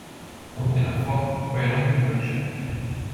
Amilyen a fa, olyan a gyümölcse.